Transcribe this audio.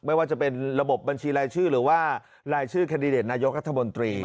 ไม่ว่าจะเป็นระบบบัญชีรายชื่อหรือว่ารายชื่อแคนดิเดตนายกรัฐมนตรี